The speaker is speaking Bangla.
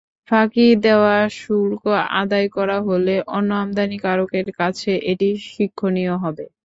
ফাঁকি দেওয়া শুল্ক আদায় করা হলে অন্য আমদানিকারকের কাছে এটি শিক্ষণীয় হবে।